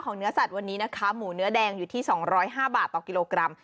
เนื้อสัตว์วันนี้นะคะหมูเนื้อแดงอยู่ที่๒๐๕บาทต่อกิโลกรัม